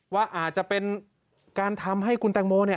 ว่าอาจจะเป็นการทำให้คุณตังโม